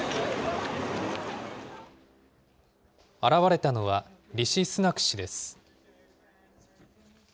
現れたのはリシ・スナク氏です。